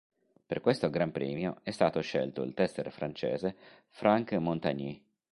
Per questo Gran Premio è stato scelto il tester francese Franck Montagny.